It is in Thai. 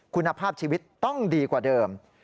คุณภาพชีวิตต้องดีกว่าเดิม